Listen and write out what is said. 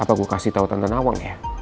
apa gue kasih tau tante nawang ya